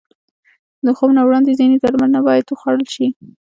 د خوب نه وړاندې ځینې درمل نه باید وخوړل شي.